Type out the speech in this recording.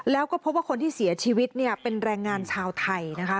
แล้วก็พบว่าคนที่เสียชีวิตเนี่ยเป็นแรงงานชาวไทยนะคะ